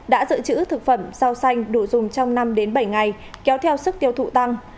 đã dự trữ thực phẩm sao xanh đủ dùng trong năm bảy ngày kéo theo sức tiêu thụ tăng